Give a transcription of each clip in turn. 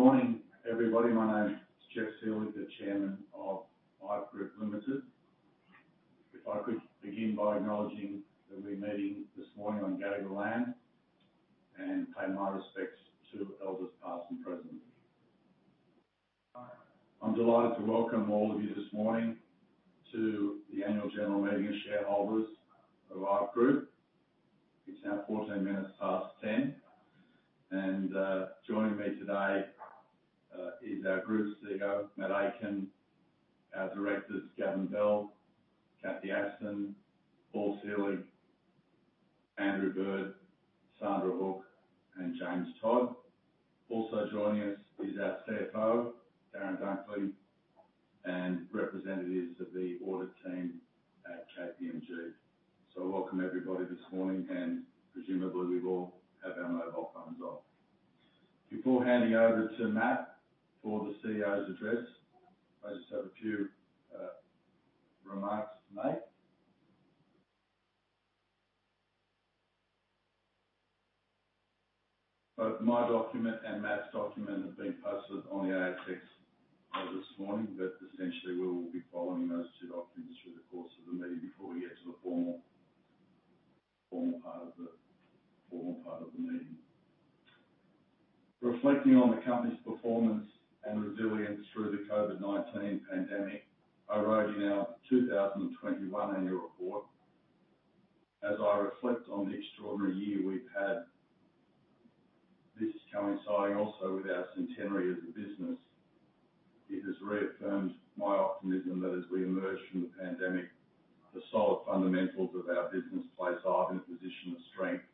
Good morning, everybody. My name is Geoff Selig, the Chairman of IVE Group Limited. If I could begin by acknowledging that we're meeting this morning on Gadigal land, and pay my respects to elders, past and present. I'm delighted to welcome all of you this morning to the Annual General Meeting of Shareholders of IVE Group. It's now 10:14 A.M., and joining me today is our Group CEO, Matt Aitken, our directors, Gavin Bell, Cathy Aston, Paul Selig, Andrew Bird, Sandra Hook, and James Todd. Also joining us is our CFO, Darren Dunkley, and representatives of the audit team at KPMG. So welcome, everybody, this morning, and presumably we all have our mobile phones off. Before handing over to Matt for the CEO's address, I just have a few remarks to make. Both my document and Matt's document have been posted on the ASX this morning, but essentially we'll be following those two documents through the course of the meeting before we get to the formal part of the meeting. Reflecting on the company's performance and resilience through the COVID-19 pandemic, I wrote in our 2021 annual report, "As I reflect on the extraordinary year we've had, this is coinciding also with our centenary as a business. It has reaffirmed my optimism that as we emerge from the pandemic, the solid fundamentals of our business place us in a position of strength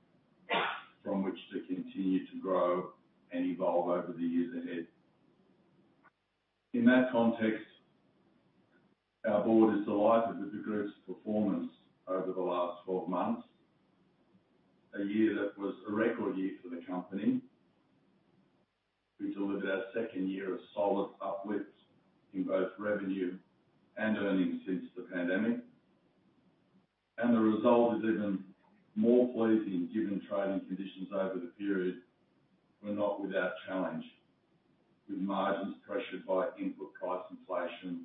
from which to continue to grow and evolve over the years ahead." In that context, our board is delighted with the group's performance over the last 12 months. A year that was a record year for the company. We delivered our second year of solid uplifts in both revenue and earnings since the pandemic. The result is even more pleasing, given trading conditions over the period were not without challenge, with margins pressured by input cost inflation,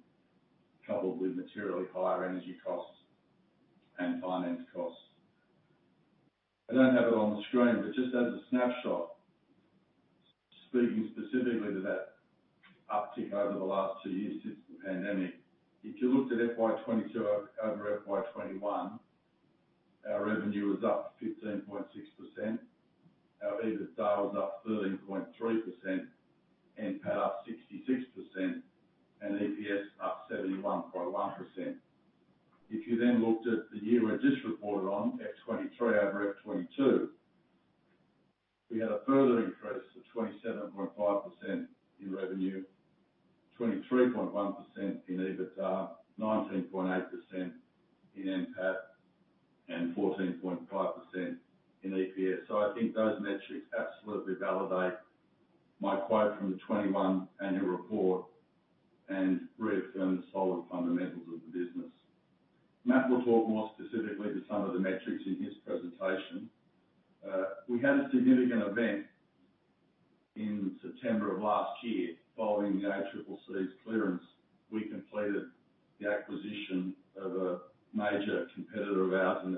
coupled with materially higher energy costs and finance costs. I don't have it on the screen, but just as a snapshot, speaking specifically to that uptick over the last two years since the pandemic, if you looked at FY 2022 over FY 2021, our revenue was up 15.6%, our EBITDA was up 13.3%, NPAT up 66%, and EPS up 71.1%. If you then looked at the year we just reported on, FY 2023 over FY 2022, we had a further increase of 27.5% in revenue, 23.1% in EBITDA, 19.8% in NPAT, and 14.5% in EPS. So I think those metrics absolutely validate my quote from the 2021 annual report and reaffirm the solid fundamentals of the business. Matt will talk more specifically to some of the metrics in his presentation. We had a significant event in September of last year. Following the ACCC's clearance, we completed the acquisition of a major competitor of ours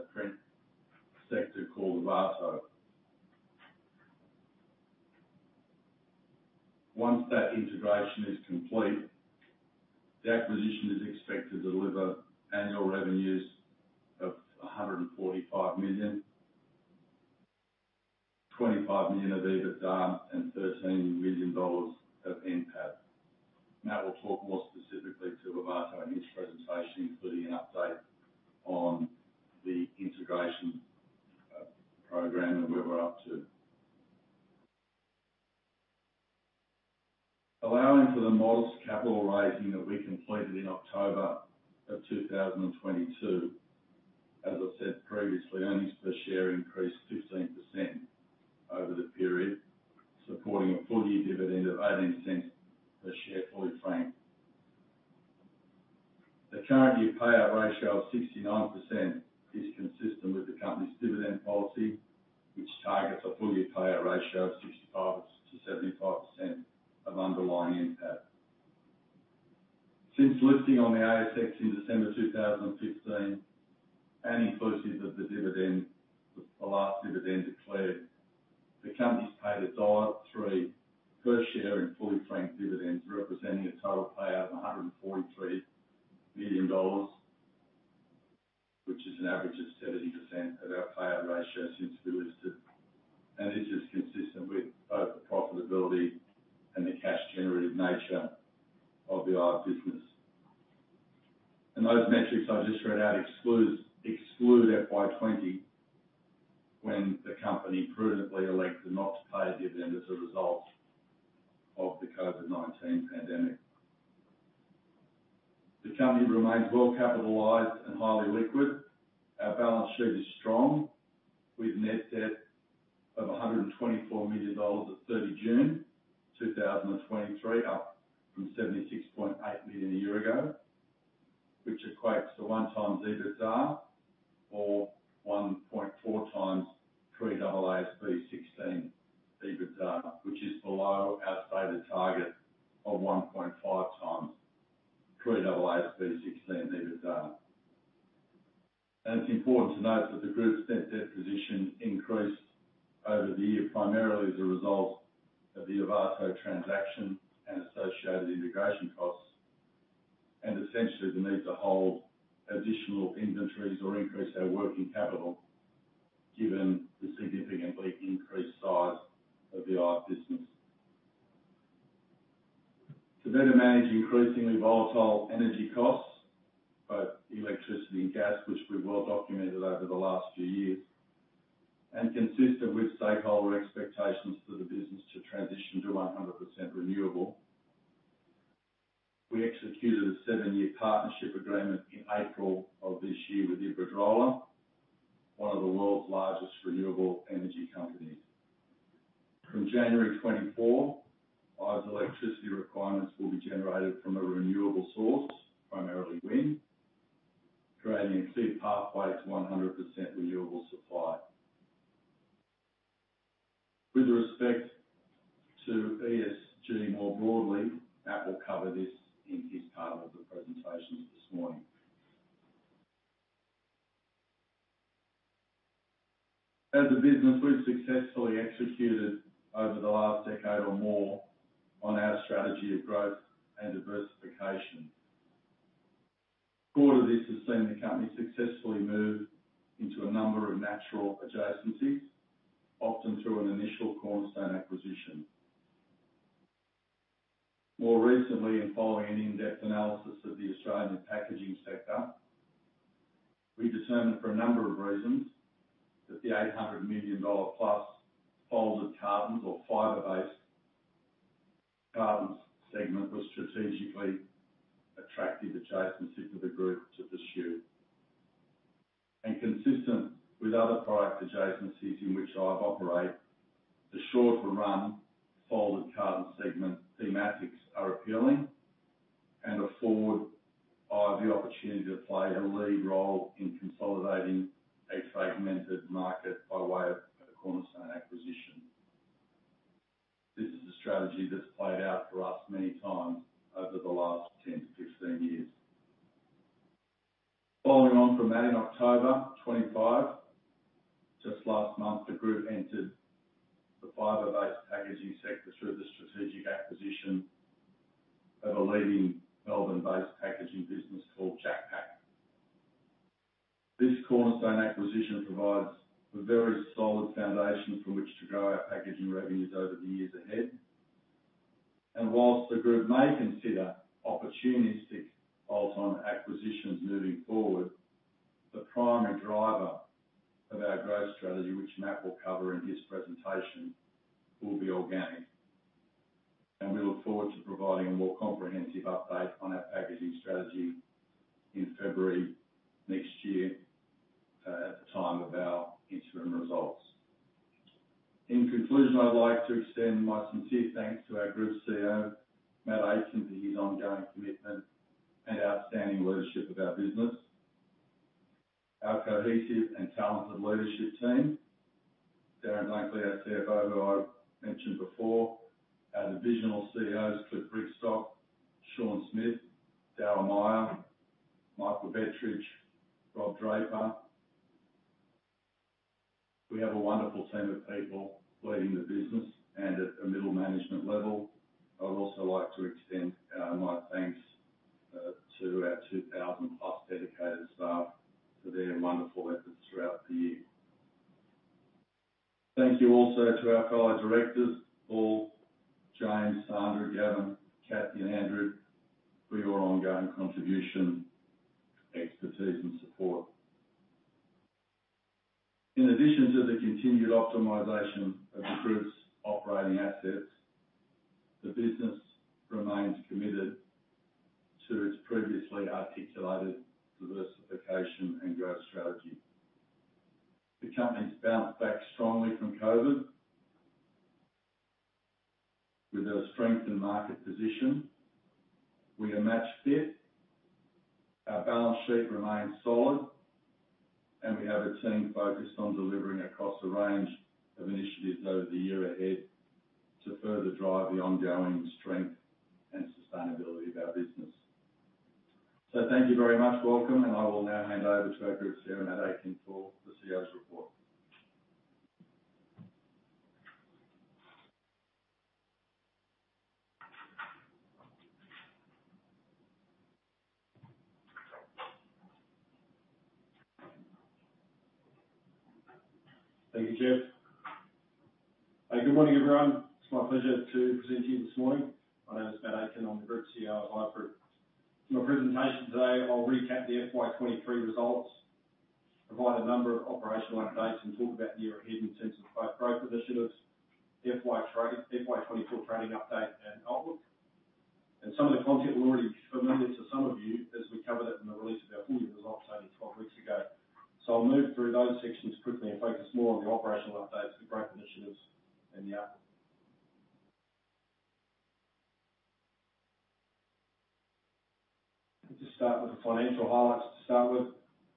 when the company prudently elected not to pay a dividend as a result of the COVID-19 pandemic. The company remains well capitalized and highly liquid. Our balance sheet is strong, with net debt of 124 million dollars at 30 June 2023, up from 76.8 million a year ago, which equates to 1x EBITDA or 1.4x pre-AASB 16 EBITDA, which is below our stated target of 1.5x pre-AASB 16 EBITDA. It's important to note that the group's net debt position increased over the year, primarily as a result of the Ovato transaction and associated integration costs, and essentially the need to hold additional inventories or increase our working capital, given the significantly increased size of the IVE business. To better manage increasingly volatile energy costs, both electricity and gas, which we've well documented over the last few years, and consistent with stakeholder expectations for the business to transition to 100% renewable, we executed a seven-year partnership agreement in April of this year with Iberdrola, one of the world's largest renewable energy companies. From January 2024, IVE's electricity requirements will be generated from a renewable source, primarily wind, creating a clear pathway to 100% renewable supply. With respect to ESG more broadly, Matt will cover this in his part of the presentation this morning. As a business, we've successfully executed over the last decade or more on our strategy of growth and diversification. Core to this has seen the company successfully move into a number of natural adjacencies, often through an initial cornerstone acquisition. More recently, and following an in-depth analysis of the Australian packaging sector, we determined, for a number of reasons, that the 800+ million dollar folded cartons or fiber-based cartons segment was a strategically attractive adjacency for the group to pursue. And consistent with other product adjacencies in which IVE operate, the shorter-run folded carton segment thematics are appealing and afford IVE the opportunity to play a lead role in consolidating a fragmented market by way of a cornerstone acquisition. This is a strategy that's played out for us many times over the last 10-16 years. Following on from that, in October 2025, just last month, the group entered the fiber-based packaging sector through the strategic acquisition of a leading Melbourne-based packaging business called JakPak. This cornerstone acquisition provides a very solid foundation from which to grow our packaging revenues over the years ahead. Whilst the group may consider opportunistic bolt-on acquisitions moving forward, the primary driver of our growth strategy, which Matt will cover in his presentation, will be organic. We look forward to providing a more comprehensive update on our packaging strategy in February next year, at the time of our interim results. In conclusion, I'd like to extend my sincere thanks to our Group CEO, Matt Aitken, for his ongoing commitment and outstanding leadership of our business. Our cohesive and talented leadership team, Darren Dunkley, our CFO, who I've mentioned before, our divisional CEOs, Cliff Brigstock, Shaun Smith, Daryl Meyer, Michael Bettridge, Rob Draper. We have a wonderful team of people leading the business and at a middle management level. I would also like to extend my thanks to our 2,000+ dedicated staff for their wonderful efforts throughout the year. Thank you also to our fellow directors, Paul, James, Sandra, Gavin, Cathy, and Andrew, for your ongoing contribution, expertise, and support. In addition to the continued optimization of the group's operating assets, the business remains committed to its previously articulated diversification and growth strategy. The company's bounced back strongly from COVID with a strengthened market position. We are match fit, our balance sheet remains solid, and we have a team focused on delivering across a range of initiatives over the year ahead to further drive the ongoing strength and sustainability of our business. Thank you very much. Welcome, and I will now hand over to our Group CEO, Matt Aitken, for the CEO's report. Thank you, Geoff. Good morning, everyone. It's my pleasure to present to you this morning. My name is Matt Aitken. I'm the Group CEO of IVE Group. In my presentation today, I'll recap the FY 2023 results, provide a number of operational updates, and talk about the year ahead in terms of both growth initiatives, the FY trading-- FY 2024 trading update and outlook. And some of the content will already be familiar to some of you, as we covered it in the release of our full-year results only 12 weeks ago. So I'll move through those sections quickly and focus more on the operational updates, the growth initiatives, and the outlook. Just start with the financial highlights to start with.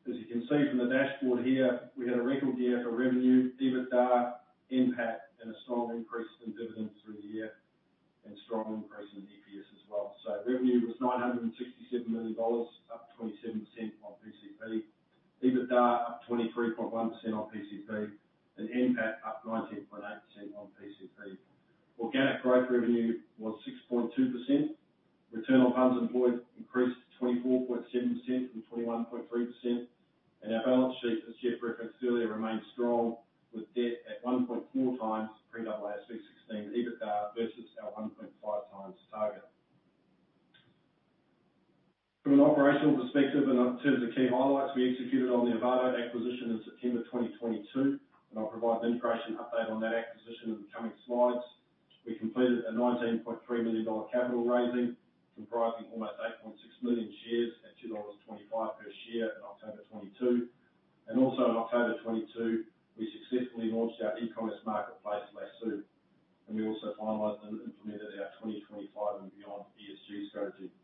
As you can see from the dashboard here, we had a record year for revenue, EBITDA, NPAT, and a strong increase in dividends through the year, and strong increase in EPS as well. So revenue was 967 million dollars, up 27% on PCP. EBITDA, up 23.1% on PCP, and NPAT up 19.8% on PCP. Organic growth revenue was 6.2%. Return on funds employed increased to 24.7% from 21.3%, and our balance sheet, as Geoff referenced earlier, remains strong with debt at 1.4 times pre-AASB 16 EBITDA versus our 1.5 times target. From an operational perspective and in terms of key highlights, we executed on the Ovato acquisition in September 2022, and I'll provide an integration update on that acquisition in the coming slides. We completed a 19.3 million dollar capital raising, comprising almost 8.6 million shares at 2.25 dollars per share in October 2022. Also in October 2022, we successfully launched our e-commerce marketplace, Lasoo, and we also finalized and implemented our 2025 and beyond ESG strategy.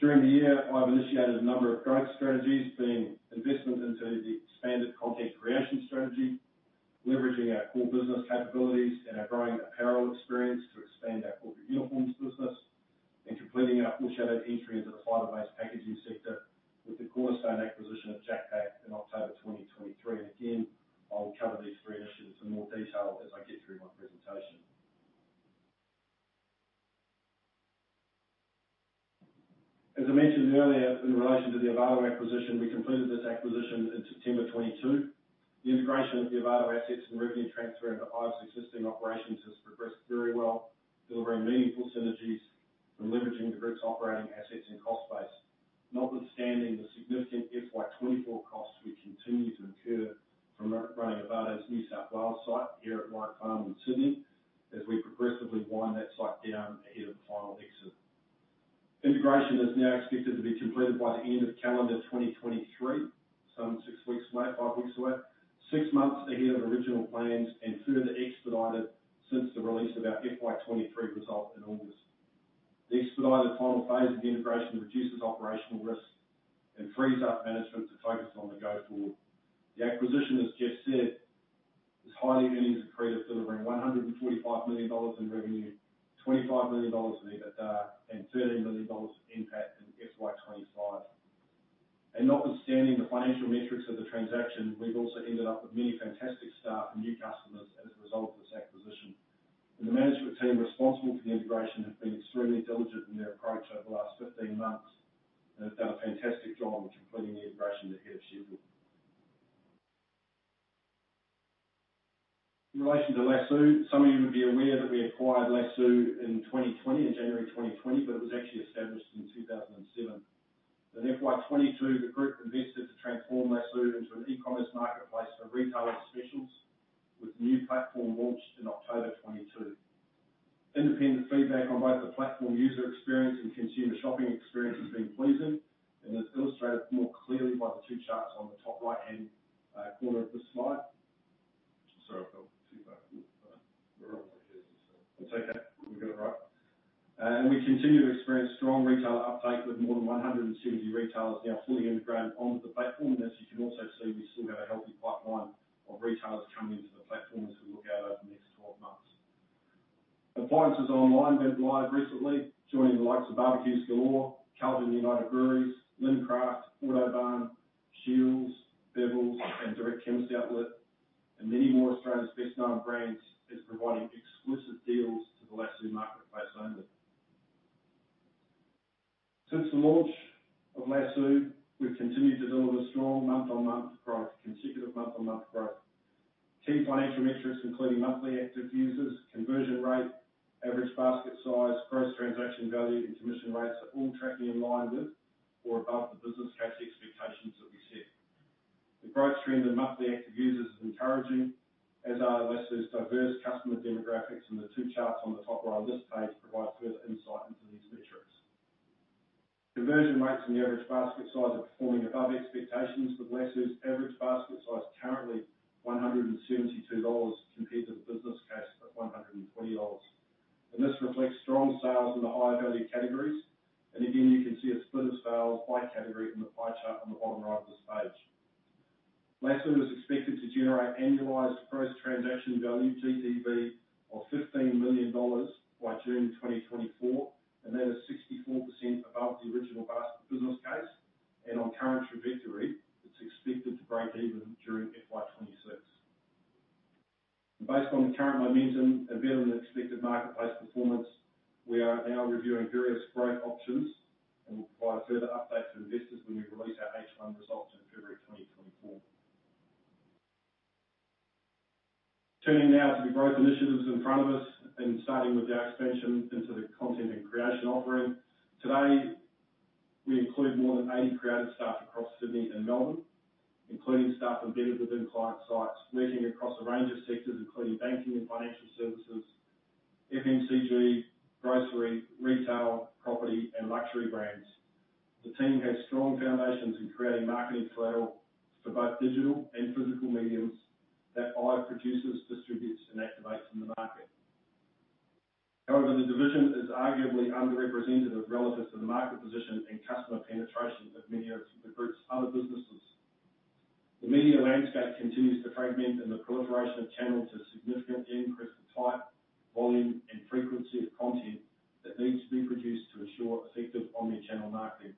During the year, I've initiated a number of growth strategies, being investment into the expanded content creation strategy, leveraging our core business capabilities and our growing apparel experience to expand our corporate uniforms business, and completing our foreshadowed entry into the fiber-based packaging sector with the cornerstone acquisition of JakPak in October 2023. Again, I'll cover these three initiatives in more detail as I get through my presentation. As I mentioned earlier, in relation to the Ovato acquisition, we completed this acquisition in September 2022. The integration of the Ovato assets and revenue transfer into IVE's existing operations has progressed very well, delivering meaningful synergies and leveraging the group's operating assets and cost base. Notwithstanding the significant FY 2024 costs we continue to incur from re-running Ovato's New South Wales site here at Warriewood in Sydney, as we progressively wind that site down ahead of the final exit. Integration is now expected to be completed by the end of calendar 2023, some 6 weeks away, 5 weeks away, 6 months ahead of original plans and further expedited since the release of our FY 2023 result in August. The expedited final phase of the integration reduces operational risks and frees up management to focus on the go-forward. The acquisition, as Geoff said, is highly earnings accretive, delivering 145 million dollars in revenue, 25 million dollars in EBITDA, and 13 million dollars of NPAT in FY 2025. Notwithstanding the financial metrics of the transaction, we've also ended up with many fantastic staff and new customers as a result of this acquisition. The management team responsible for the integration have been extremely diligent in their approach over the last 15 months and have done a fantastic job of completing the integration ahead of schedule. In relation to Lasoo, some of you would be aware that we acquired Lasoo in 2020, in January 2020, but it was actually established in 2007. In FY 2022, the group invested to transform Lasoo into an e-commerce marketplace for retailer specials, with the new platform launched in October 2022. Independent feedback on both the platform user experience and consumer shopping experience has been pleasing and is illustrated more clearly by the two charts on the top right-hand corner of this slide. Sorry, I'll go too back. We're on here, so- It's okay. We got it right. And we continue to experience strong retailer uptake, with more than 170 retailers now fully integrated onto the platform. And as you can also see, we still have a healthy pipeline of retailers coming into the platform as we look out over the next 12 months. Appliances Online went live recently, joining the likes of Barbeques Galore, Carlton United Breweries, Lincraft, Autobarn, Shiels, Bevilles, and Direct Chemist Outlet, and many more of Australia's best-known brands is providing exclusive deals to the Lasoo marketplace only. Since the launch of Lasoo, we've continued to deliver strong month-on-month growth, consecutive month-on-month growth. Key financial metrics, including monthly active users, conversion rate, average basket size, gross transaction value, and commission rates, are all tracking in line with or above the business case expectations that we set. The growth trend in monthly active users is encouraging, as are Lasoo's diverse customer demographics, and the two charts on the top right of this page provide further insight into these metrics. Conversion rates and the average basket size are performing above expectations, with Lasoo's average basket size currently 172 dollars, compared to the business case of 120 dollars. This reflects strong sales in the high-value categories. Again, you can see a split of sales by category in the pie chart on the bottom right of this page. Lasoo is expected to generate annualized gross transaction value, GTV, of 15 million dollars by June 2024, and that is 64% above the original basket business case, and on current trajectory, it's expected to break even during FY 2026. Based on the current momentum and better-than-expected marketplace performance, we are now reviewing various growth options and will provide a further update to investors when we release our H1 results in February 2024. Turning now to the growth initiatives in front of us, and starting with our expansion into the content and creation offering. Today, we include more than 80 creative staff across Sydney and Melbourne, including staff embedded within client sites, working across a range of sectors including banking and financial services, FMCG, grocery, retail, property, and luxury brands. The team has strong foundations in creating marketing flair for both digital and physical mediums that IVE produces, distributes, and activates in the market. However, the division is arguably underrepresented relative to the market position and customer penetration of many of the group's other businesses. The media landscape continues to fragment, and the proliferation of channels has significantly increased the type, volume, and frequency of content that needs to be produced to ensure effective omni-channel marketing.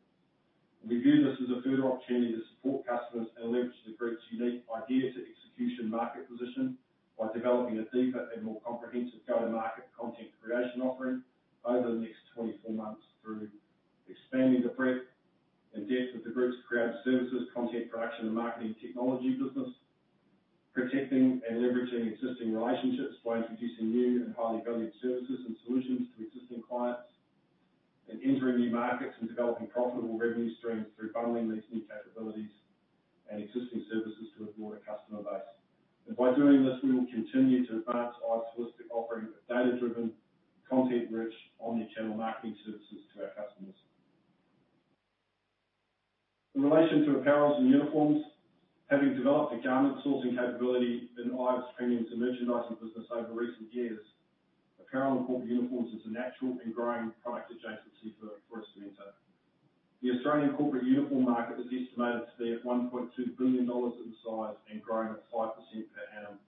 We view this as a further opportunity to support customers and leverage the group's unique idea to execution market position by developing a deeper and more comprehensive go-to-market content creation offering over the next 24 months through expanding the breadth and depth of the group's crowd services, content production, and marketing technology business. Protecting and leveraging existing relationships by introducing new and highly valued services and solutions to existing clients, and entering new markets and developing profitable revenue streams through bundling these new capabilities and existing services to a broader customer base. By doing this, we will continue to advance IVE's holistic offering of data-driven, content-rich omni-channel marketing services to our customers. In relation to apparel and uniforms, having developed a garment sourcing capability in IVE's premiums and merchandising business over recent years, apparel and corporate uniforms is a natural and growing product adjacency for us to enter. The Australian corporate uniform market is estimated to be at 1.2 billion dollars in size and growing at 5% per annum.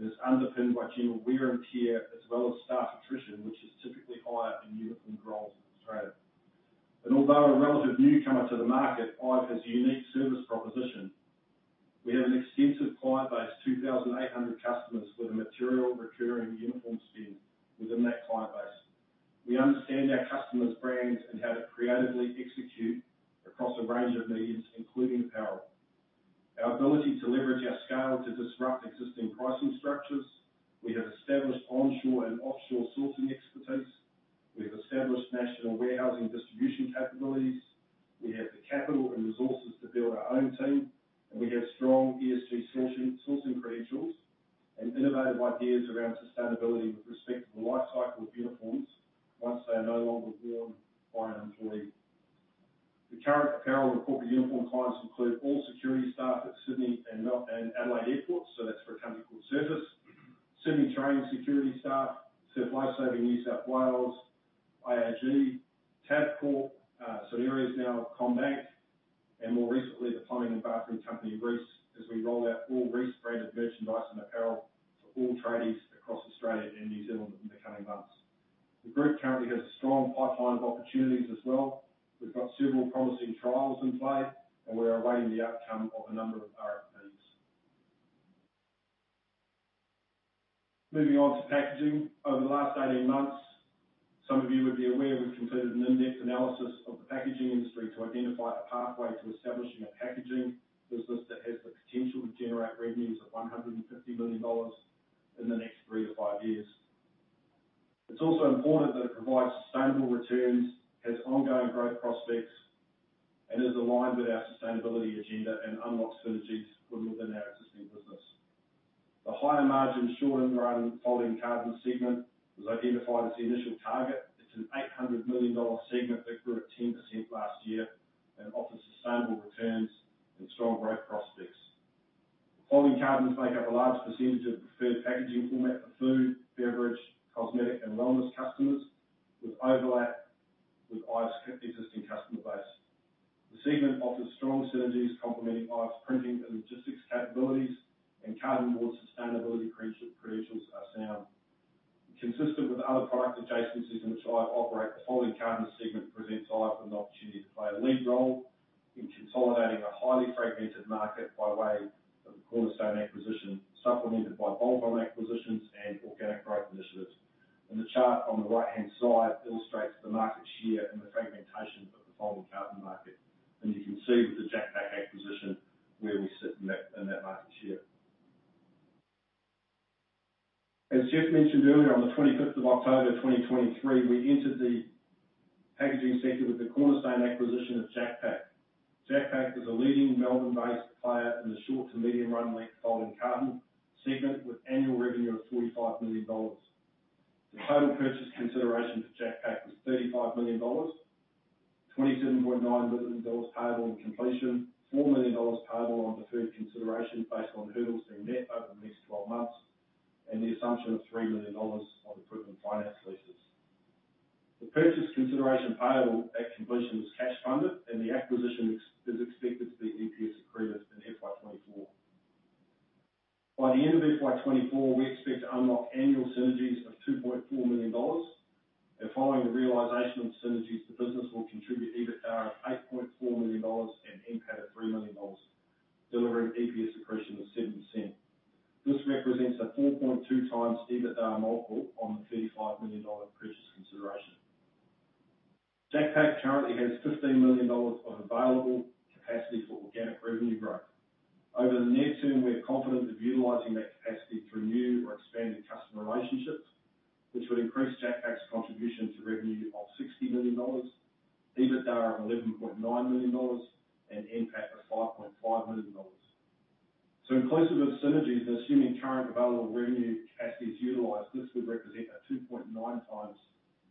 It is underpinned by general wear and tear, as well as staff attrition, which is typically higher in uniform roles in Australia. Although a relative newcomer to the market, IVE has a unique service proposition. We have an extensive client base, 2,800 customers, with a material recurring uniform spend within that client base. We understand our customers' brands and how to creatively execute across a range of mediums, including apparel. Our ability to leverage our scale to disrupt existing pricing structures. We have established onshore and offshore sourcing expertise. We've established national warehousing distribution capabilities. We have the capital and resources to build our own team, and we have strong ESG sourcing credentials and innovative ideas around sustainability with respect to the life cycle of uniforms once they are no longer worn by an employee. The current apparel and corporate uniform clients include all security staff at Sydney and Melbourne and Adelaide Airports. So that's for a company called Certis. Sydney Trains security staff, Surf Life Saving New South Wales, IAG, Tabcorp, Solaria is now CommBank, and more recently, the plumbing and bathroom company, Reece, as we roll out all Reece-branded merchandise and apparel to all tradies across Australia and New Zealand in the coming months. The group currently has a strong pipeline of opportunities as well. We've got several promising trials in play, and we are awaiting the outcome of a number of RFPs. Moving on to packaging. Over the last 18 months, some of you would be aware, we've completed an in-depth analysis of the packaging industry to identify a pathway to establishing a packaging business that has the potential to generate revenues of 150 million dollars in the next 3-5 years. It's also important that it provides sustainable returns, has ongoing growth prospects, and is aligned with our sustainability agenda and unlocks synergies from within our existing business. The higher margin short and run folding carton segment was identified as the initial target. It's an 800 million dollar segment that grew at 10% last year and offers sustainable returns and strong growth prospects. Folding cartons make up a large percentage of the preferred packaging format for food, beverage, cosmetic, and wellness customers, with overlap with IVE's existing customer base. The segment offers strong synergies, complementing IVE's printing and logistics capabilities, and carton board sustainability credential, credentials are sound. Consistent with other product adjacencies in which IVE operate, the folding carton segment presents IVE with an opportunity to play a lead role in consolidating a highly fragmented market by way of a cornerstone acquisition, supplemented by bolt-on acquisitions and organic growth initiatives. The chart on the right-hand side illustrates the market share and the fragmentation of the folding carton market. You can see with the JakPak acquisition, where we sit in that, in that market share. As Geoff mentioned earlier, on the 25th of October, 2023, we entered the packaging sector with the cornerstone acquisition of JakPak. JakPak is a leading Melbourne-based player in the short to medium run length folding carton segment, with annual revenue of 45 million dollars. The total purchase consideration for JakPak was 35 million dollars, 27.9 million dollars payable on completion, 4 million dollars payable on deferred consideration based on hurdles being met over the next twelve months, and the assumption of 3 million dollars on equipment finance leases. The purchase consideration payable at completion was cash-funded, and the acquisition is expected to be EPS accretive in FY 2024. By the end of FY 2024, we expect to unlock annual synergies of 2.4 million dollars, and following the realization of synergies, the business will contribute EBITDA of 8.4 million dollars and NPAT of 3 million dollars, delivering EPS accretion of 7%. This represents a 4.2x EBITDA multiple on the 35 million dollar purchase consideration. JakPak currently has 15 million dollars of available capacity for organic revenue growth. Over the near term, we're confident of utilizing that capacity through new or expanded customer relationships, which would increase JakPak's contribution to revenue of 60 million dollars, EBITDA of 11.9 million dollars, and NPAT of 5.5 million dollars. So inclusive of synergies, assuming current available revenue capacity is utilized, this would represent a 2.9x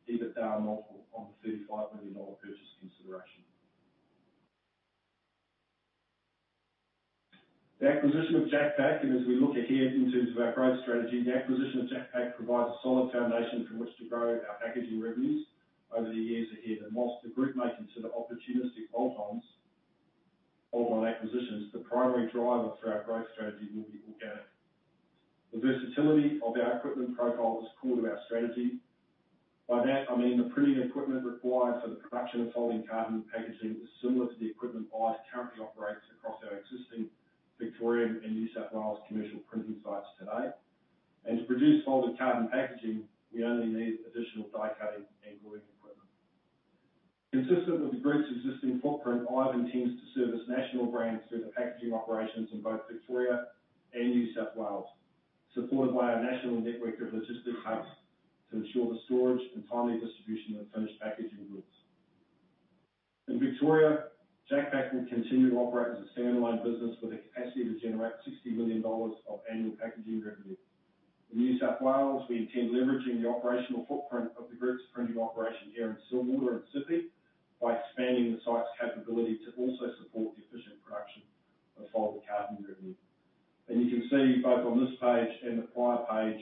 EBITDA multiple on the 35 million dollar purchase consideration. The acquisition of JakPak, and as we look ahead in terms of our growth strategy, the acquisition of JakPak provides a solid foundation from which to grow our packaging revenues over the years ahead. While the group may consider opportunistic add-ons or acquisitions, the primary driver for our growth strategy will be organic. The versatility of our equipment profile is core to our strategy. By that, I mean the printing equipment required for the production of folding carton packaging is similar to the equipment IVE currently operates across our existing Victorian and New South Wales commercial printing sites today. To produce folded carton packaging, we only need additional die cutting and gluing equipment. Consistent with the group's existing footprint, IVE teams to service national brands through the packaging operations in both Victoria and New South Wales, supported by our national network of logistic hubs to ensure the storage and timely distribution of finished packaging goods. In Victoria, JakPak will continue to operate as a standalone business with a capacity to generate 60 million dollars of annual packaging revenue. In New South Wales, we intend leveraging the operational footprint of the group's printing operation here in Silverwater and Sydney, by expanding the site's capability to also support the efficient production of folded carton revenue. You can see both on this page and the prior page,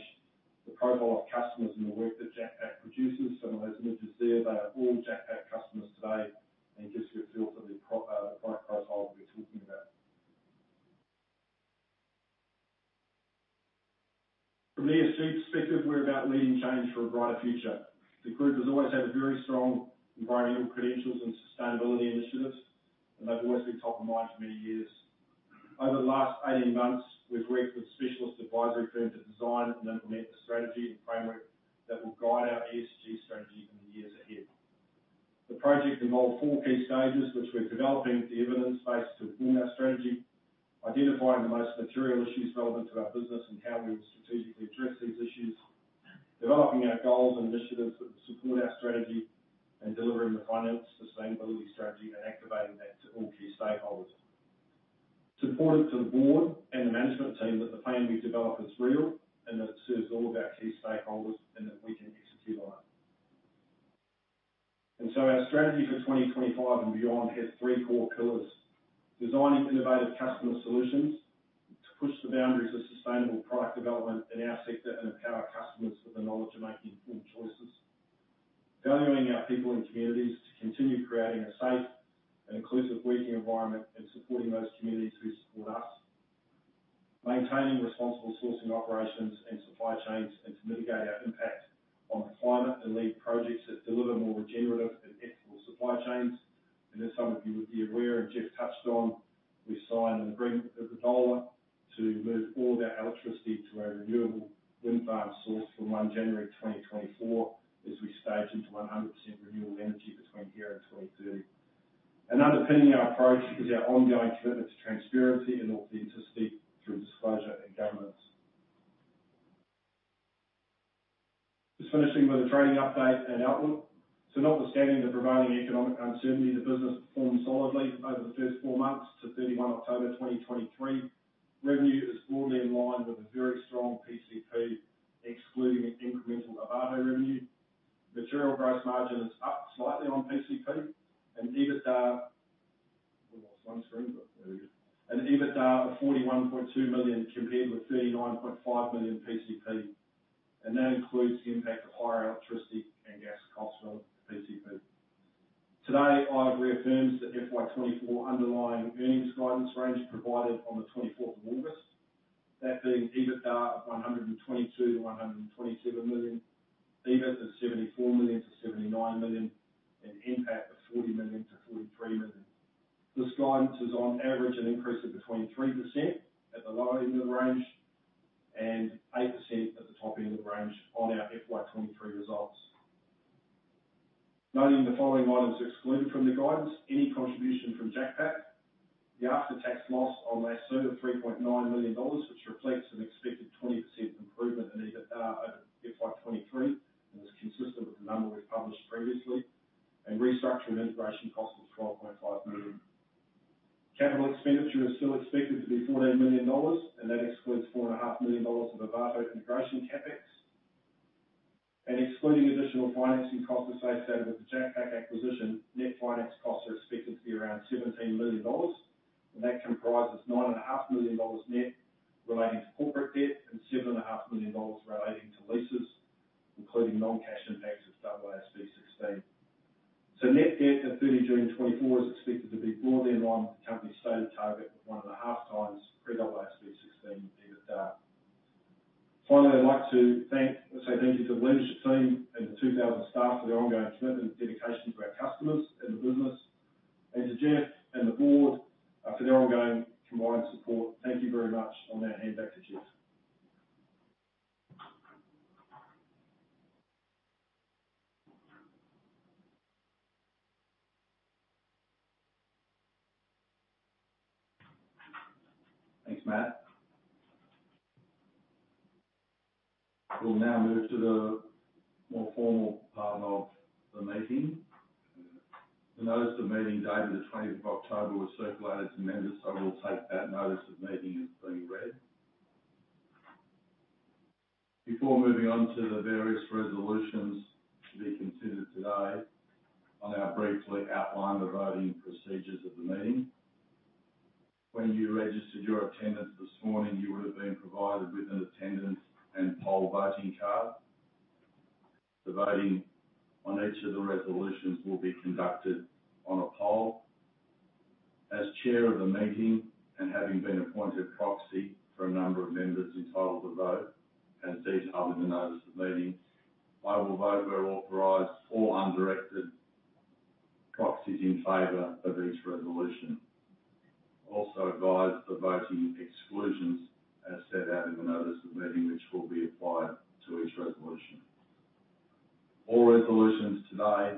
the profile of customers and the work that JakPak produces. Some of those images there, they are all JakPak customers today, and it gives you a feel for the product profile that we're talking about. From the ESG perspective, we're about leading change for a brighter future. The group has always had a very strong environmental credentials and sustainability initiatives, and they've always been top of mind for many years. Over the last 18 months, we've worked with a specialist advisory firm to design and implement a strategy and framework that will guide our ESG strategy in the years ahead. The project involved four key stages, which we're developing the evidence base to inform our strategy, identifying the most material issues relevant to our business and how we strategically address these issues, developing our goals and initiatives that support our strategy, and delivering the finance sustainability strategy and activating that to all key stakeholders. Supportive to the board and the management team, that the plan we've developed is real and that it serves all of our key stakeholders and that we can execute on it. So our strategy for 2025 and beyond has three core pillars: designing innovative customer solutions to push the boundaries of sustainable product development in our sector and empower customers with the knowledge to make informed choices. Valuing our people and communities to continue creating a safe and inclusive working environment and supporting those communities who support us. Maintaining responsible sourcing operations and supply chains, and to mitigate our impact on the climate and lead projects that deliver more regenerative and ethical supply chains. As some of you would be aware, and Geoff touched on, we signed an agreement with Iberdrola to move all of our electricity to a renewable wind farm source from 1 January 2024, as we stage into 100% renewable energy between here and 2030. Underpinning our approach is our ongoing commitment to transparency and authenticity through disclosure and governance. Just finishing with a trading update and outlook. Notwithstanding the prevailing economic uncertainty, the business performed solidly over the first four months to 31 October 2023. Revenue is broadly in line with a very strong PCP, excluding the incremental Ovato revenue. Material gross margin is up slightly on PCP and EBITDA of 41.2 million, compared with 39.5 million PCP, and that includes the impact of higher electricity and gas costs on PCP. Today, I've reaffirmed the FY 2024 underlying earnings guidance range provided on the 24th of August. That being EBITDA of 122 million-127 million, EBIT is 74 million-79 million, and NPAT of 40 million-43 million. This guidance is on average, an increase of between 3% at the lower end of the range and 8% at the top end of the range on our FY 2023 results. Noting the following items are excluded from the guidance, any contribution from JakPak, the after-tax loss on Lasoo of 3.9 million dollars, which reflects an expected 20% improvement in EBITDA over FY 2023, and is consistent with the number we published previously, and restructuring integration costs of 12.5 million. Capital expenditure is still expected to be 14 million dollars, and that excludes 4.5 million dollars of Ovato integration CapEx. And excluding additional financing costs associated with the JakPak acquisition, net finance costs are expected to be around 17 million dollars, and that comprises 9.5 million dollars net relating to corporate debt and 7.5 million dollars relating to leases, including non-cash impacts of AASB 16. Net debt at 30 June 2024 is expected to be broadly in line with the company's stated target of 1.5 times pre-AASB 16 EBITDA. Finally, I'd like to say thank you to the leadership team and the 2,000 staff for their ongoing commitment and dedication to our customers and the business, and to Geoff and the board for their ongoing combined support. Thank you very much. On that, hand back to Geoff. Thanks, Matt. We'll now move to the more formal part of the meeting. The notice of meeting dated the twentieth of October was circulated to members, so we'll take that notice of meeting as being read. Before moving on to the various resolutions to be considered today, I'll now briefly outline the voting procedures of the meeting. When you registered your attendance this morning, you would have been provided with an attendance and poll voting card. The voting on each of the resolutions will be conducted on a poll. As chair of the meeting, and having been appointed proxy for a number of members entitled to vote, as stated in the notice of meeting, I will vote where authorized all undirected proxies in favor of each resolution. Also advise the voting exclusions as set out in the notice of meeting, which will be applied to each resolution. All resolutions today,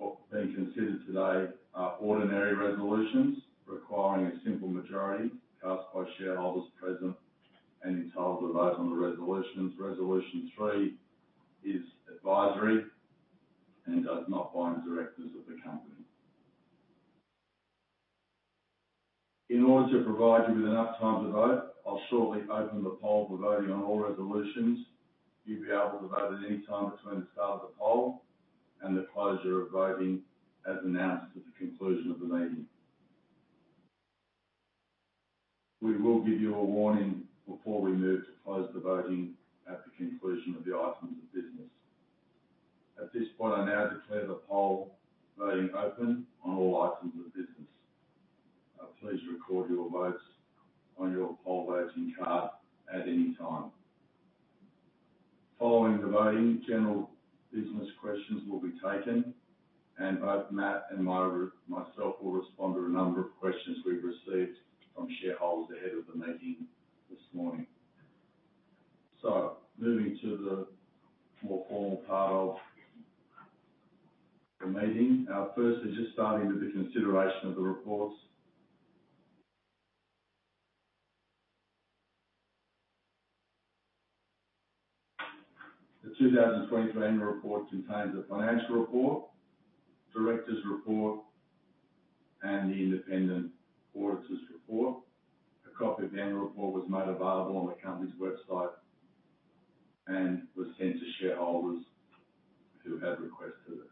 or being considered today, are ordinary resolutions requiring a simple majority cast by shareholders present and entitled to vote on the resolutions. Resolution three is advisory and does not bind the directors of the company. In order to provide you with enough time to vote, I'll shortly open the poll for voting on all resolutions. You'll be able to vote at any time between the start of the poll and the closure of voting, as announced at the conclusion of the meeting. We will give you a warning before we move to close the voting at the conclusion of the items of business. At this point, I now declare the poll voting open on all items of business. Please record your votes on your poll voting card at any time. Following the voting, general business questions will be taken, and both Matt and myself will respond to a number of questions we've received from shareholders ahead of the meeting this morning. So moving to the more formal part of the meeting. First is just starting with the consideration of the reports. The 2023 annual report contains a financial report, directors' report, and the independent auditor's report. A copy of the annual report was made available on the company's website and was sent to shareholders who had requested it.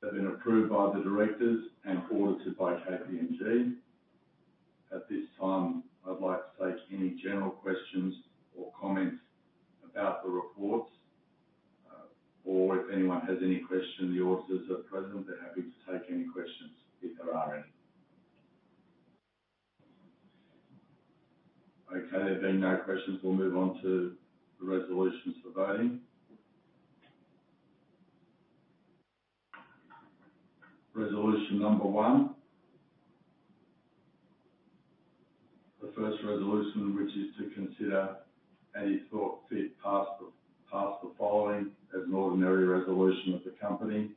They've been approved by the directors and audited by KPMG. At this time, I'd like to take any general questions or comments about the reports, or if anyone has any questions, the auditors are present. They're happy to take any questions if there are any. Okay, there being no questions, we'll move on to the resolutions for voting. Resolution number one. The first resolution, which is to consider any thought fit pass the following as an ordinary resolution of the company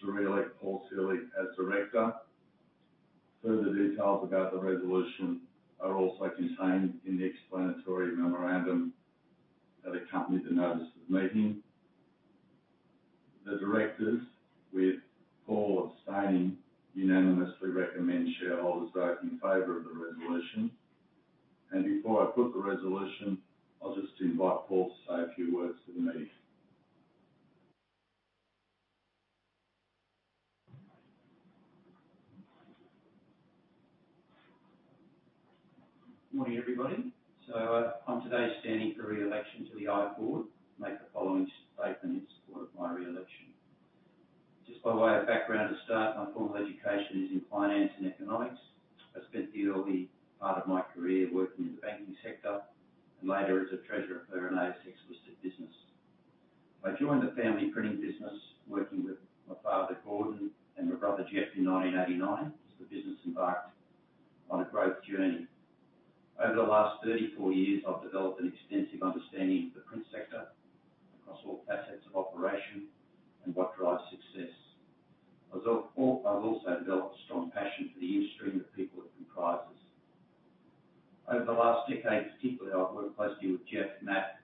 to re-elect Paul Selig as director. Further details about the resolution are also contained in the explanatory memorandum that accompanied the notice of the meeting. The directors, with Paul abstaining, unanimously recommend shareholders vote in favor of the resolution. Before I put the resolution, I'll just invite Paul to say a few words to the meeting. Morning, everybody. I'm today standing for re-election to the IVE board, make the following statement in support of my re-election. Just by way of background to start, my formal education is in finance and economics. I spent the early part of my career working in the banking sector and later as a treasurer for an ASX-listed business. I joined the family printing business working with my father, Gordon, and my brother, Geoff, in 1989 as the business embarked on a growth journey. Over the last 34 years, I've developed an extensive understanding of the print sector across all facets of operation and what drives success. I've also developed a strong passion for the industry and the people it comprises. Over the last decade, particularly, I've worked closely with Geoff, Matt,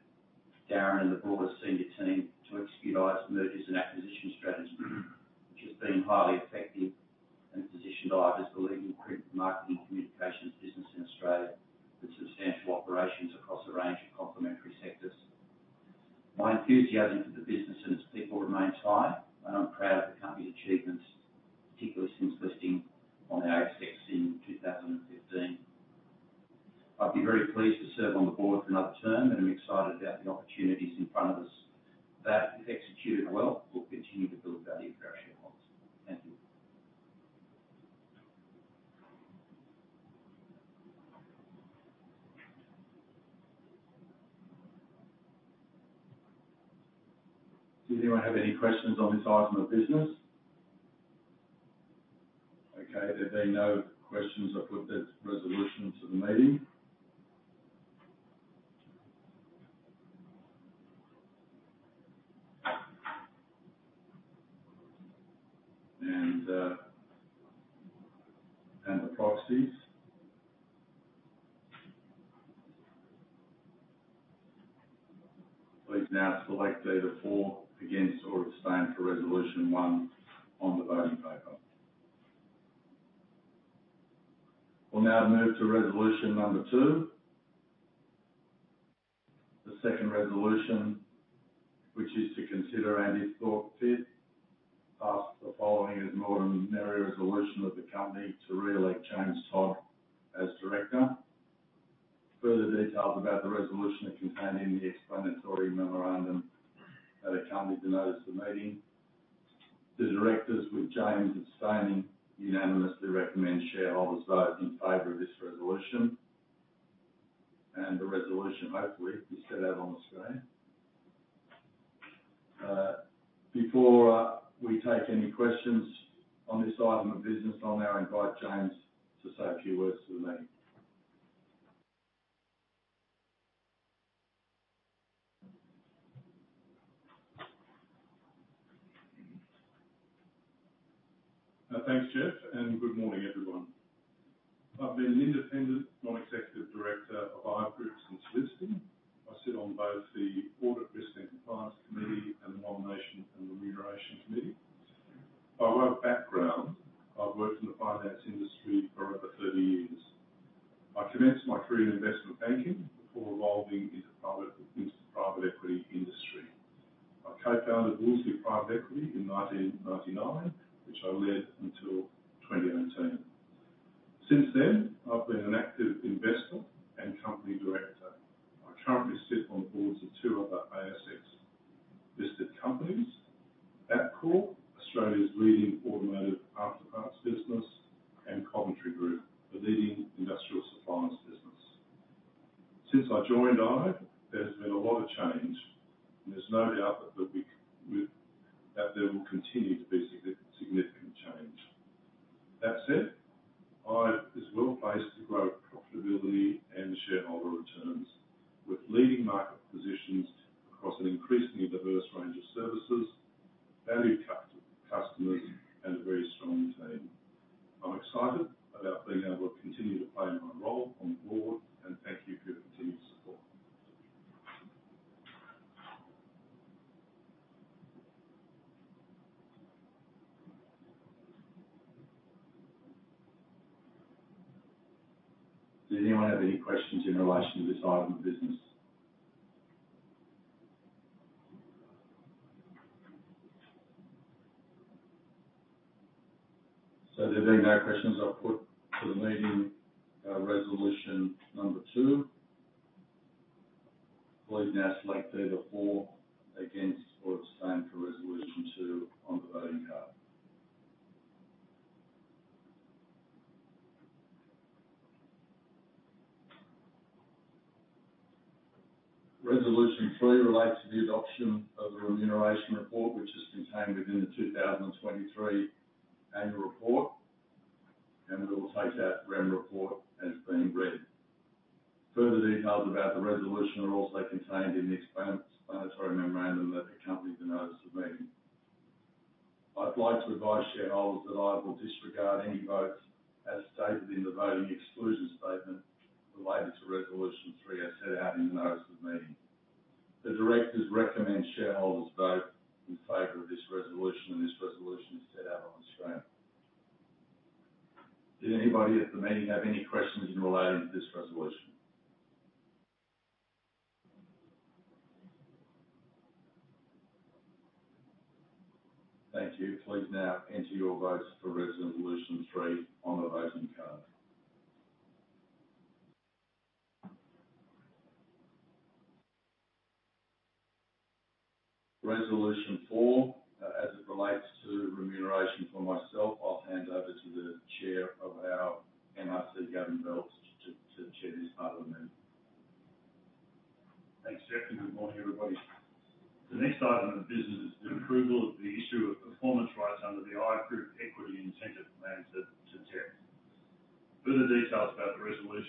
Darren, and the broader senior team to execute IVE's mergers and acquisition strategy, which has been highly effective and positioned IVE as the leading print marketing communications business in Australia, with substantial operations across a range of complementary sectors. My enthusiasm for the business and its people remains high, and I'm proud of the company's achievements, particularly since listing on the ASX in 2015. I'd be very pleased to serve on the board for another term and am excited about the opportunities in front of us that, if executed well, will continue to build value for our shareholders. Thank you. Does anyone have any questions on this item of business? Okay, there being no questions, I put that resolution to the meeting. And, and the proxies. Please now select either for, against, or abstain for Resolution one on the voting paper. We'll now move to resolution number two. The second resolution, which is to consider and, if thought fit, pass the following as an ordinary resolution of the company to re-elect James Todd as director. Further details about the resolution are contained in the explanatory memorandum that accompanied the notice of the meeting. The directors, with James abstaining, unanimously recommend shareholders vote in favor of this resolution, and the resolution, hopefully, is set out on the screen. Before we take any questions on this item of business, I'll now invite James to say a few words to the meeting. Thanks, Geoff, and good morning, everyone. I've been an independent non-executive director of IVE Group since listing. I sit on both the Audit, Risk, and Compliance Committee and the Nomination and Remuneration Committee. By way of background, I've worked in the finance industry for over 30 years. I commenced my career in investment banking before evolving into the private equity industry. I co-founded Wolseley Private Equity in 1999, which I led until 2018. Since then, I've been an active investor and company director. I currently sit on boards of two other ASX-listed companies, Bapcor, Australia's leading automotive afterparts business, and Coventry Group, a leading industrial suppliers business. Since I joined IVE, there's been a lot of change, and there's no doubt that there will continue to be significant change. That said, IVE is well placed to grow profitability and shareholder returns, with leading market positions across an increasingly diverse range of services, valued customers, and a very strong team. I'm excited about being able to continue to play my role on the board, and thank you for your continued support. Does anyone have any questions in relation to this item of business? So there being no questions, I'll put to the meeting resolution number two. Please now select either for, against, or abstain for Resolution two on the voting card. Resolution three relates to the adoption of the remuneration report, which is contained within the 2023 annual report, and it will take that rem report as being read. Further details about the resolution are also contained in the explanatory memorandum that accompanied the notice of meeting. I'd like to advise shareholders that I will disregard any votes, as stated in the voting exclusion statement related to Resolution three, as set out in the notice of meeting. The directors recommend shareholders vote in favor of this resolution, and this resolution is set out on the screen. Did anybody at the meeting have any questions in relating to this resolution? Thank you. Please now enter your votes for Resolution three on the voting card. Resolution four, as it relates to remuneration for myself, I'll hand over to the chair of our MRC, Gavin Bell, to chair this part of the meeting. Thanks, Geoff, and good morning, everybody. The next item of business is the approval of the issue of performance rights under the IVE Group Equity Incentive Plan to Geoff. Further details about the resolution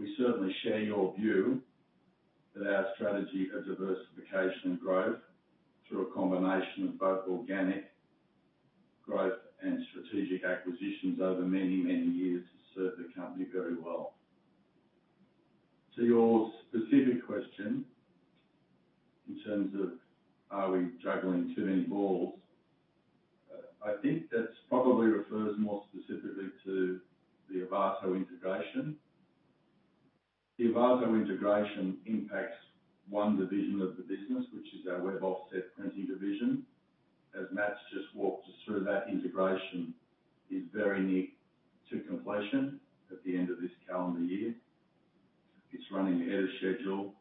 that we may now be attempting to juggle too many balls? Is it time to bed down what we already have? That is the question. Look, our response to that would be, thank you for the question. Yes, we do have a strong track record, as you referred to. We certainly share your view that our strategy of diversification and growth, through a combination of both organic growth and strategic acquisitions over many, many years, has served the company very well. To your specific question, in terms of, are we juggling too many balls? I think that probably refers more specifically to the Ovato integration. The Ovato integration impacts one division of the business, which is our web offset printing division. As Matt's just walked us through, that integration is very near to completion at the end of this calendar year. It's running ahead of schedule,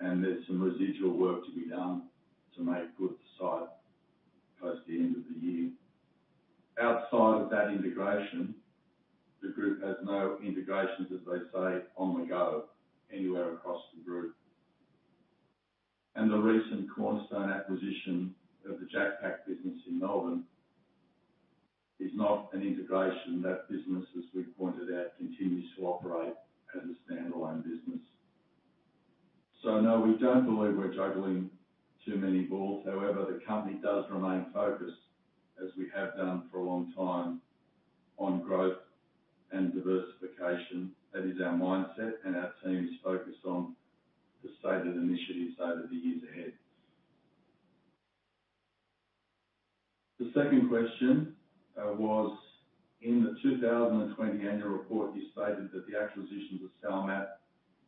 and there's some residual work to be done to make good the site close to the end of the year. Outside of that integration, the group has no integrations, as they say, on the go anywhere across the group. The recent Cornerstone acquisition of the JakPak business in Melbourne is not an integration. That business, as we've pointed out, continues to operate as a standalone business. So no, we don't believe we're juggling too many balls. However, the company does remain focused, as we have done for a long time, on growth and diversification. That is our mindset, and our team is focused on the stated initiatives over the years ahead. The second question was: In the 2020 annual report, you stated that the acquisitions of Salmat,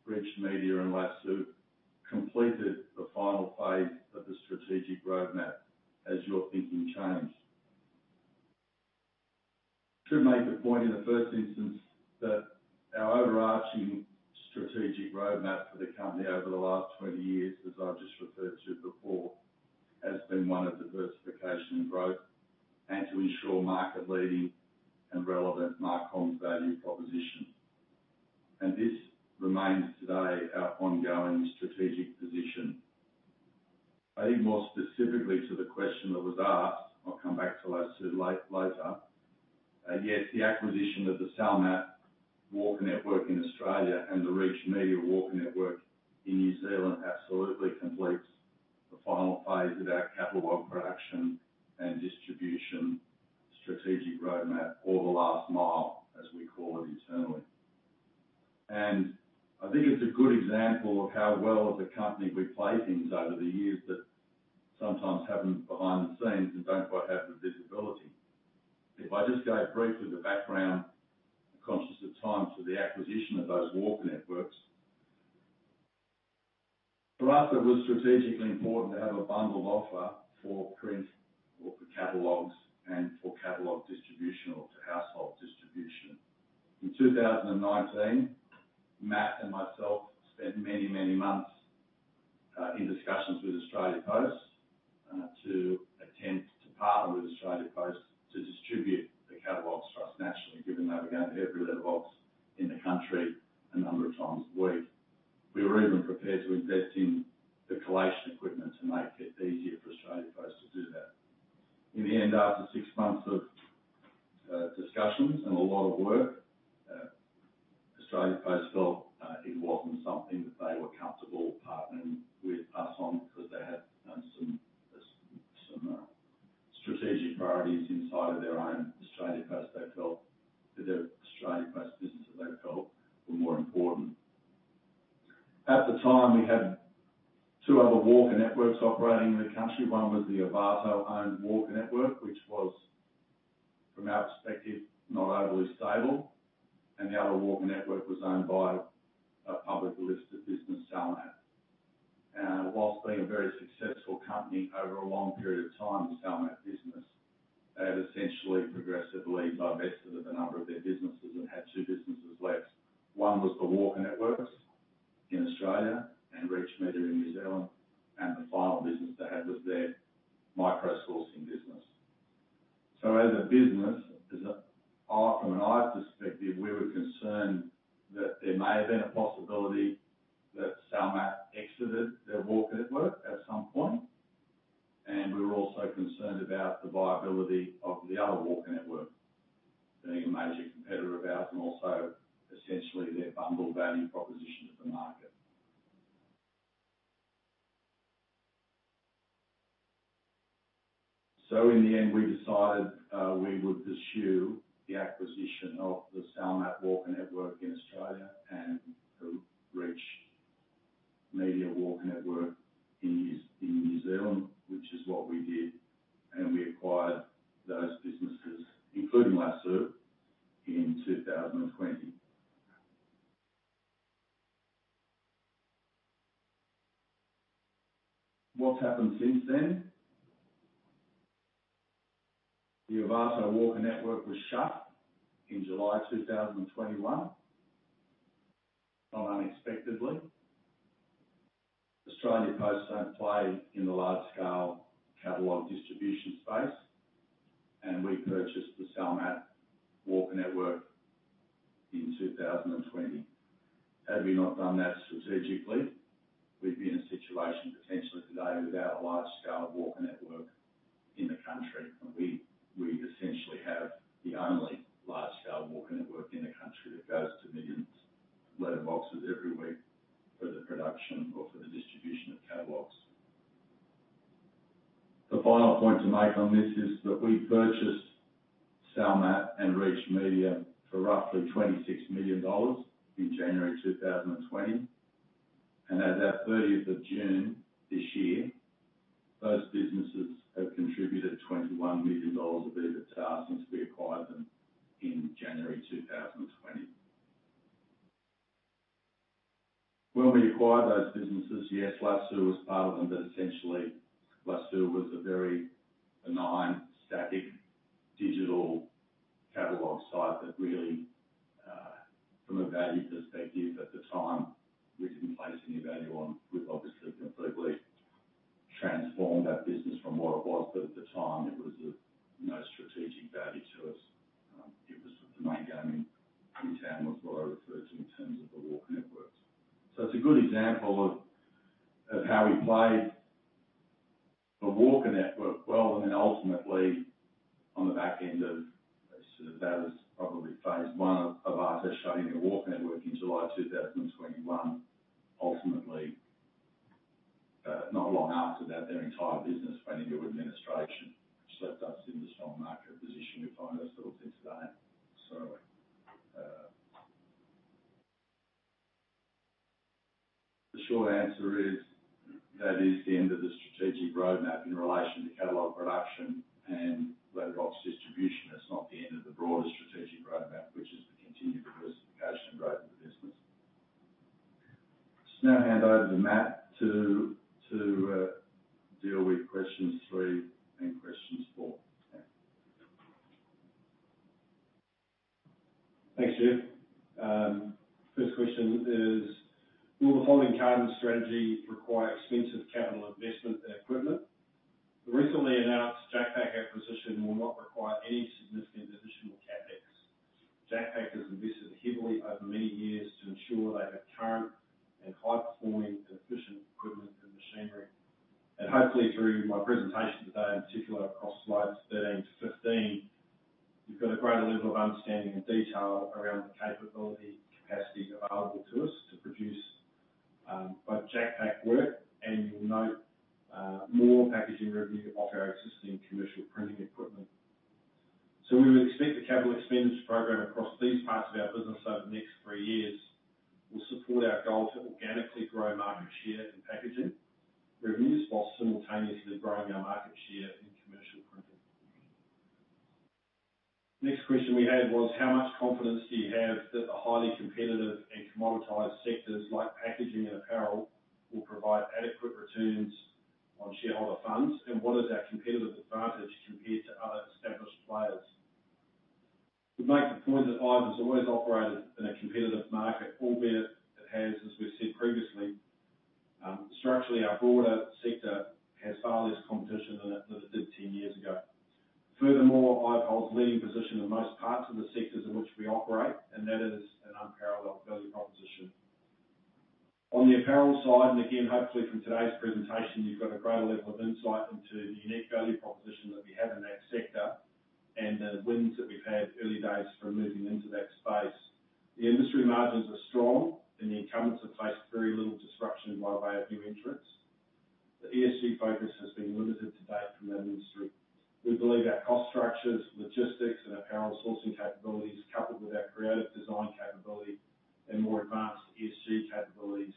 Reach Media, and Lasoo completed the final phase of the strategic roadmap. Has your thinking changed? To make a point in the first instance, that our overarching strategic roadmap for the company over the last 20 years, as I've just referred to before, has been one of diversification and growth and to ensure market-leading and relevant marketing's value proposition. This remains today our ongoing strategic position. I think more specifically to the question that was asked, I'll come back to Lasoo later. Yes, the acquisition of the Salmat walker network in Australia and the Reach Media walker network in New Zealand absolutely completes the final phase of our catalog production and distribution strategic roadmap, or the last mile, as we call it internally. I think it's a good example of how well as a company we play things over the years, that sometimes happen behind the scenes and don't quite have the visibility. If I just go briefly to the background, conscious of time, to the acquisition of those walker networks. For us, it was strategically important to have a bundled offer for print or for catalogs and for catalog distribution or to household distribution. In 2019, Matt and myself spent many, many months in discussions with Australia Post to attempt to partner with Australia Post to distribute the catalogs for us nationally, given they were going to every letterbox in the country a number of times a week. We were even prepared to invest in the collation equipment to make it easier for Australia Post to do that. In the end, after six months of discussions and a lot of work, Australia Post felt it wasn't something that they were comfortable partnering with us on because they had some strategic priorities inside of their own Australia Post. They felt that the Australia Post business that they felt were more important. At the time, we had two other walker networks operating in the country. One was the Ovato-owned walker network, which was, from our perspective, not overly stable, and the other walker network was owned by a publicly listed business, Salmat. While being a very successful company over a long period of time, the Salmat business had essentially progressively divested of a number of their businesses and had two businesses left. One was the Walker networks in Australia and Reach Media in New Zealand, and the final business they had was their microsourcing business. So as a business, from an IVE perspective, we were concerned that there may have been a possibility that Salmat exited their Walker network at some point, and we were also concerned about the viability of the other Walker network, being a major competitor of ours, and also essentially their bundled value proposition to the market. So in the end, we decided we would pursue the acquisition of the Salmat Walker network in Australia and the Reach Media Walker network in New Zealand, which is what we did, and we acquired those businesses, including Lasoo, in 2020. What's happened since then? The Ovato Walker Network was shut in July 2021. Not unexpectedly. Australia Post don't play in the large-scale catalog distribution space, and we purchased the Salmat Walker Network in 2020. Had we not done that strategically, we'd be in a situation potentially today without a large-scale Walker network in the country, and we essentially have the only large-scale Walker network in the country that goes to millions of letterboxes every week for the production or for the distribution of catalogs. The final point to make on this is that we purchased Salmat and Reach Media for roughly 26 million dollars in January 2020, and as at 30th of June this year, those businesses have contributed 21 million dollars of EBITDA since we acquired them in January 2020. When we acquired those businesses, yes, Lasoo was part of them, but essentially Lasoo was a very benign, static, digital catalog site that really, from a value perspective at the time, we didn't place any value on. We've obviously completely transformed that business from what it was, but at the time, it was of no strategic value to us. It was the main game in town, was what I referred to in terms of the Walker networks. So it's a good example of, of how we played the Walker network well, and then ultimately, on the back end of, sort of, that is probably phase I of Ovato shutting their Walker network in July 2021. Ultimately, not long after that, their entire business went into administration, which left us in the strong market position we find ourselves in today. So, the short answer is, that is the end of the strategic roadmap in relation to catalog production and letterbox distribution. That's not the end of the broader strategic roadmap, which is the continued diversification and growth of the business. Just now hand over to Matt to deal with questions three and questions four. Thanks, Geoff. First question is: Will the following carton strategy require expensive capital investment and equipment? The recently announced JakPak acquisition will not require any significant additional CapEx. JakPak has invested heavily over many years to ensure they have current and high-performing and efficient equipment and machinery. And hopefully, through my presentation today, in particular, across slides 13 to 15, you've got a greater level of understanding and detail around the capability and capacity available to us to produce both JakPak work, and you'll note, more packaging revenue off our existing commercial printing equipment. So we would expect the capital expenditures program across these parts of our business over the next 3 years will support our goal to organically grow market share in packaging revenues while simultaneously growing our market share in commercial printing. Next question we had was: How much confidence do you have that the highly competitive and commoditized sectors like packaging and apparel will provide adequate returns on shareholder funds? And what is our competitive advantage compared to other established players? We make the point that IVE's always operated in a competitive market, albeit it has, as we've said previously, structurally, our broader sector has far less competition than it, than it did 10 years ago. Furthermore, IVE's leading position in most parts of the sectors in which we operate, and that is an unparalleled value proposition. On the apparel side, and again, hopefully from today's presentation, you've got a greater level of insight into the unique value proposition that we have in that sector and the wins that we've had early days from moving into that space. The industry margins are strong, and the incumbents have faced very little disruption by way of new entrants. The ESG focus has been limited to date in that industry. We believe our cost structures, logistics, and apparel sourcing capabilities, coupled with our creative design capability and more advanced ESG capabilities,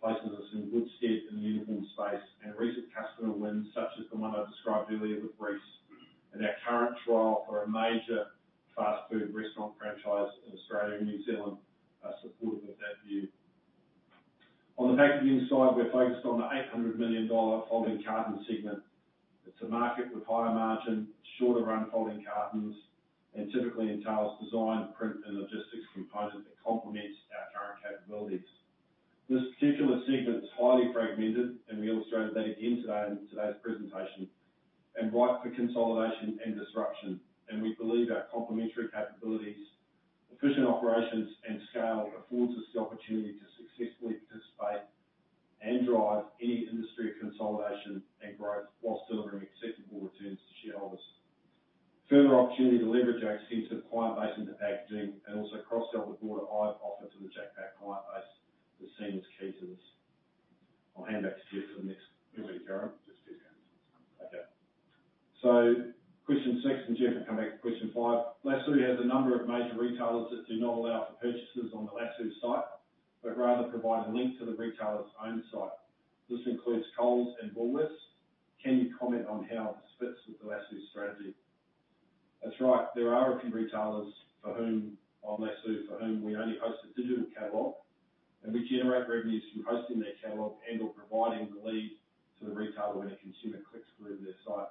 places us in good stead in the uniform space, and recent customer wins, such as the one I described earlier with Reece and our current trial for a major fast food restaurant franchise in Australia and New Zealand, are supportive of that view. On the packaging side, we're focused on the 800 million dollar folding carton segment. It's a market with higher margin, shorter-run folding cartons, and typically entails design, print, and logistics components that complement our current capabilities. This particular segment is highly fragmented, and we illustrated that again today in today's presentation, and ripe for consolidation and disruption. We believe our complementary capabilities, efficient operations, and scale affords us the opportunity to successfully participate and drive any industry consolidation and growth while delivering acceptable returns to shareholders. Further opportunity to leverage our extensive client base into packaging and also cross-sell the broader IVE offer to the JakPak client base is seen as key to this. I'll hand back to Geoff for the next- Who, me, Karen? Just Geoff. Okay. So question six, and Geoff will come back to question five. Lasoo has a number of major retailers that do not allow for purchases on the Lasoo site, but rather provide a link to the retailer's own site. This includes Coles and Woolworths. Can you comment on how this fits with the Lasoo strategy? That's right. There are a few retailers for whom, on Lasoo, for whom we only host a digital catalog, and we generate revenues from hosting their catalog and/or providing the lead to the retailer when a consumer clicks through their site.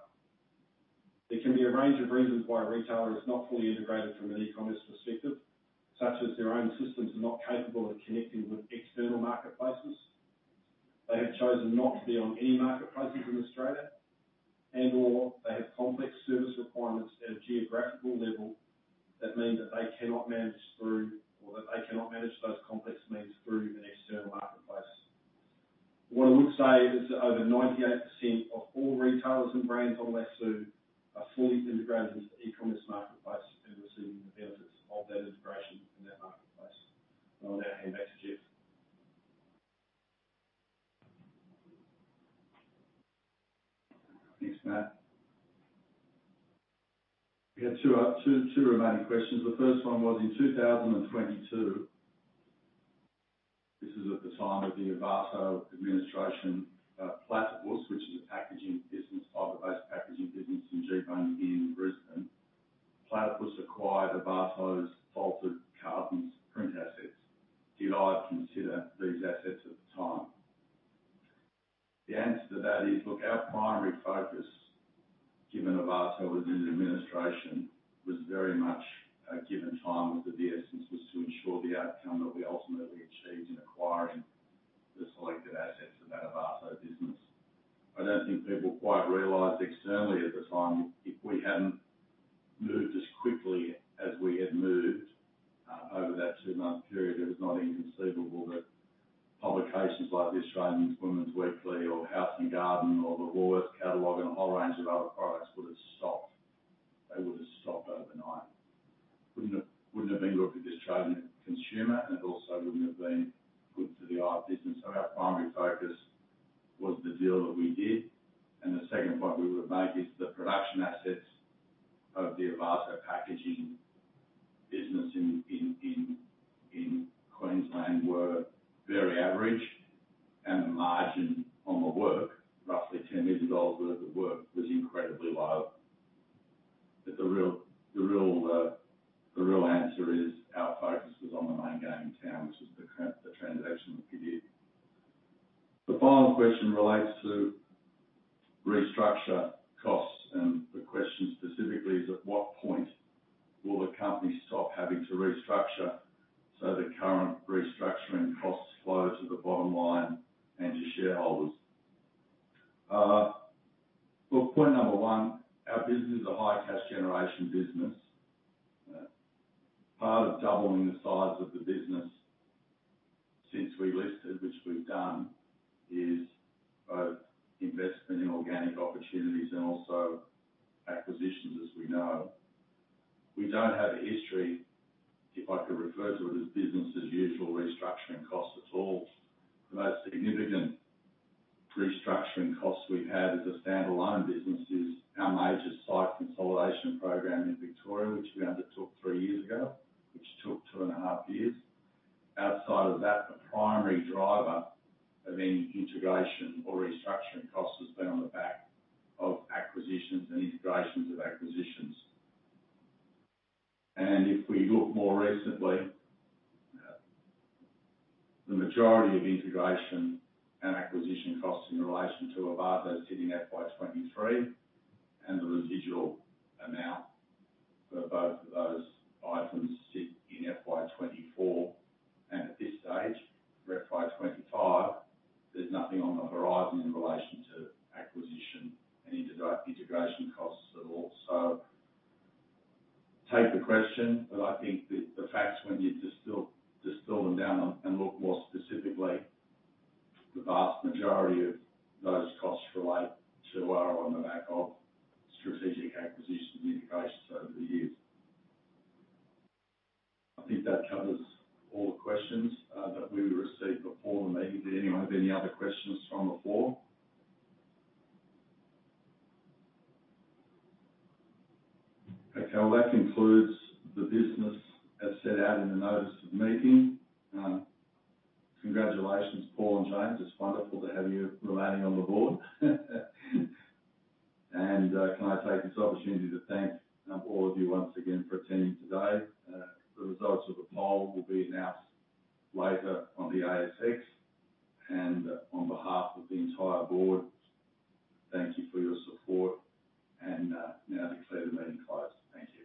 There can be a range of reasons why a retailer is not fully integrated from an e-commerce perspective, such as their own systems are not capable of connecting with external marketplaces. They have chosen not to be on any marketplaces in Australia, and/or they have complex service requirements at a geographical level that mean that they cannot manage through, or that they cannot manage those complex needs through an external marketplace. What I would say is that over 98% of all retailers and brands on Lasoo are fully integrated into the e-commerce marketplace and receiving the benefits of that integration in that marketplace. I'll now hand back to Geoff. Thanks, Matt. We have two remaining questions. The first one was in 2022, this is at the time of the Ovato administration, Platypus, which is a packaging business, fiber-based packaging business in Geebung in Brisbane. Platypus acquired Ovato's folded cartons print assets. Did I consider these assets at the time? The answer to that is, look, our primary focus, given Ovato was in administration, was very much, given time of the essence, was to ensure the outcome that we ultimately achieved in acquiring the selected assets of that Ovato business. I don't think people quite realized externally at the time, if we hadn't moved as quickly as we had moved over that two-month period, it was not inconceivable that publications like the Australian Women's Weekly or House and Garden or the Woolworths catalog and a whole range of other products would have stopped. They would have stopped overnight. Wouldn't have been good for the Australian consumer, and it also wouldn't have been and acquisition costs in relation to Ovato sit in FY 2023, and the residual amount for both of those items sit in FY 2024. At this stage, we're at FY 2025, there's nothing on the horizon in relation to acquisition and integration costs at all. So take the question, but I think the facts, when you distill them down and look more specifically, the vast majority of those costs relate to or on the back of strategic acquisitions and integrations over the years. I think that covers all the questions that we received before the meeting. Did anyone have any other questions from the floor? Okay, well, that concludes the business as set out in the notice of the meeting. Congratulations, Paul and James. It's wonderful to have you remaining on the board. And can I take this opportunity to thank all of you once again for attending today. The results of the poll will be announced later on the ASX. And on behalf of the entire board, thank you for your support, and we now declare the meeting closed. Thank you.